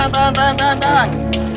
tahan tahan tahan